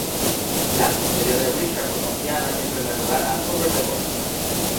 La custodia de Richard fue confiada en primer lugar a Hubert de Burgh.